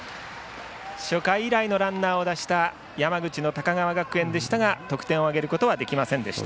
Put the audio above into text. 初回以来のランナーを出した山口の高川学園でしたが得点を挙げることはできませんでした。